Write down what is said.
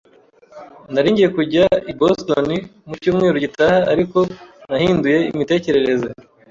Nari ngiye kujya i Boston mu cyumweru gitaha, ariko nahinduye imitekerereze.